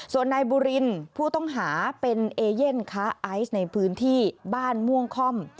ส่วนนายบุรินผู้ต้องหาเป็นเอเย่นค้าไอซ์ในพื้นที่บ้านม่วงค่อม